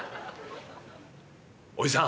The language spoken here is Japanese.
「おじさん」。